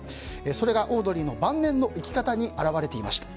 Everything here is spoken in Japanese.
それが、オードリーの晩年の生き方に表れていました。